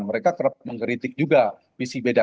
mereka kerap mengkritik juga misi beda